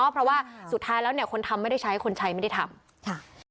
เพราะว่าสุดท้ายแล้วเนี่ยคนทำไม่ได้ใช้คนใช้ไม่ได้ทำค่ะ